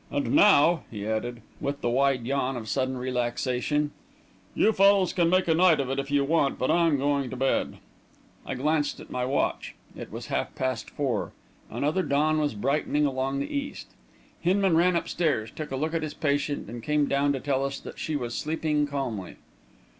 And now," he added, with the wide yawn of sudden relaxation, "you fellows can make a night of it, if you want to, but I'm going to bed." I glanced at my watch. It was half past four. Another dawn was brightening along the east. Hinman ran upstairs, took a look at his patient, and came down to tell us that she was sleeping calmly.